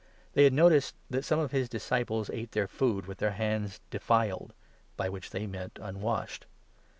They had noticed that some of his 2 ceremonies, disciples ate their food with their hands 'defiled,' by which they meant unwashed.